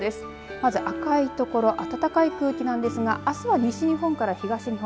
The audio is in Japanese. まず赤い所暖かい空気ですがあすは西日本から東日本